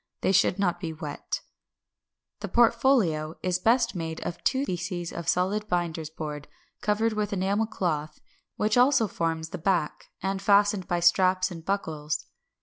They should not be wet. 560. The Portfolio is best made of two pieces of solid binder's board, covered with enamel cloth, which also forms the back, and fastened by straps and buckles.